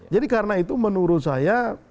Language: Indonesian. jadi karena itu menurut saya